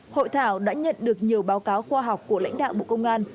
hội thảo đã nhận được nhiều báo cáo khoa học của lãnh đạo bộ công an